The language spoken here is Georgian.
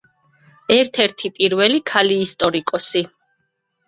ერთ-ერთი პირველი ქალი ისტორიკოსი.